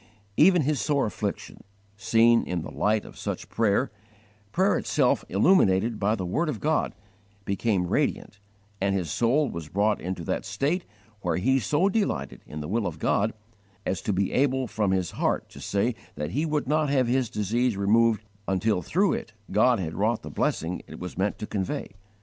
* Even his sore affliction, seen in the light of such prayer prayer itself illuminated by the word of God became radiant; and his soul was brought into that state where he so delighted in the will of God as to be able from his heart to say that he would not have his disease removed until through it God had wrought the blessing it was meant to convey.